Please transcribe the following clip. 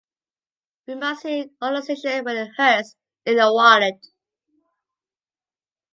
We must hit organizations where it hurts, in the wallet.